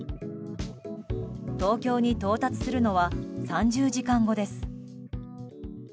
東京に到達するのは３０時間後です。